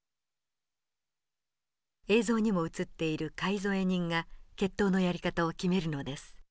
映像にも映っている介添え人が決闘のやり方を決めるのです。